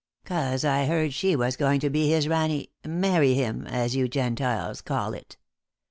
"'Cause I heard she was going to be his rani marry him, as you Gentiles call it.